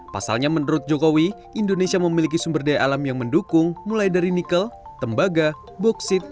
pasalnya menurut jokowi indonesia memiliki sumber daya alam yang mendukung mulai dari nikel tembaga boksit